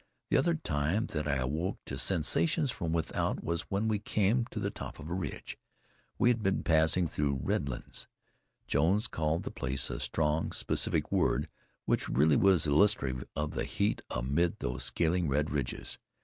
The other time that I awoke to sensations from without was when we came to the top of a ridge. We had been passing through red lands. Jones called the place a strong, specific word which really was illustrative of the heat amid those scaling red ridges.